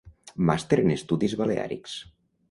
Màster en Estudis Baleàrics.